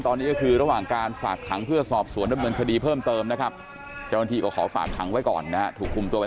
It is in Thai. โดยที่อาจจะรวบรวมหรือรอให้ผลทางด้านนิติวิทยาศาสตร์